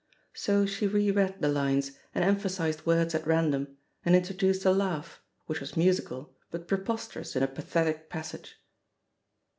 So she re read the lines and emphasised words at random, and introduced a laugh, which was musical, but preposterous in a pathetic pas sage.